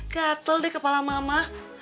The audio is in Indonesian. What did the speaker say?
gatel deh kepala mama